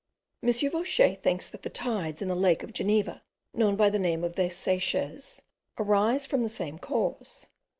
M. Vaucher thinks that the tides in the lake of Geneva, known by the name of the seiches, arise from the same cause.